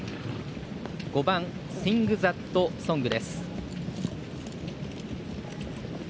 ５番シングザットソング。